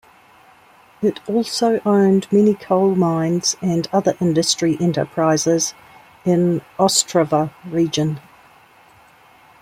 It also owned many coal mines and other industry enterprises in Ostrava region.